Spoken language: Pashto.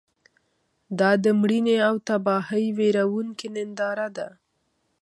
دا د مړینې او تباهۍ ویرونکې ننداره ده.